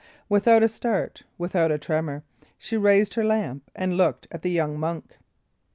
Without a start, without a tremor, she raised her lamp and looked at the young monk.